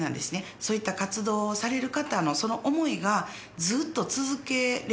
そういった活動をされる方のその思いがずっと続けられるように。